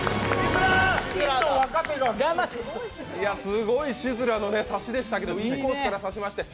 すごいシズラの差しでしたけどインコースから差しまして。